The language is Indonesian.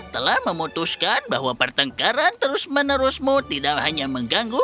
telah memutuskan bahwa pertengkaran terus menerusmu tidak hanya mengganggu